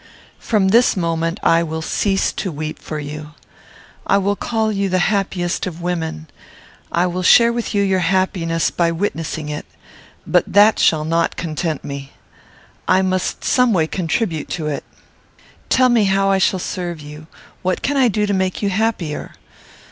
"From this moment, I will cease to weep for you. I will call you the happiest of women. I will share with you your happiness by witnessing it; but that shall not content me. I must some way contribute to it. Tell me how I shall serve you. What can I do to make you happier?